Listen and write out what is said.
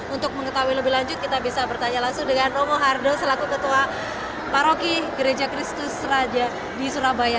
untuk mengetahui lebih lanjut kita bisa bertanya langsung dengan romo hardo selaku ketua paroki gereja kristus raja di surabaya